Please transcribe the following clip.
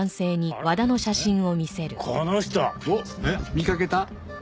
見かけた？